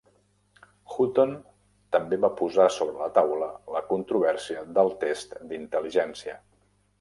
Hooton també va posar sobre la taula la controvèrsia del test d'intel·ligència.